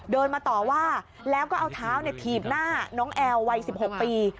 เดินมาต่อว่าแล้วก็เอาเท้าถีบหน้าน้องแอลวัย๑๖ปี